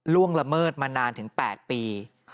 ล่วงละเมิดมานานถึง๘ปี